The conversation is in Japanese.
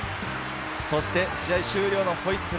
試合終了のホイッスル。